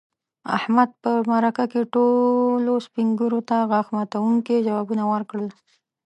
احمد په مرکه کې ټولو سپین ږیرو ته غاښ ماتونکي ځوابوه ورکړل.